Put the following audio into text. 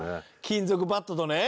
金属バットとね。